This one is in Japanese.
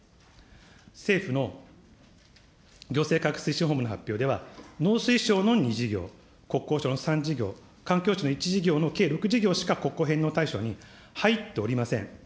政府の行政改革推進本部の発表では、農水省の２事業、国交省の３事業、環境省の１事業の計６事業しか国庫返納対象に入っておりません。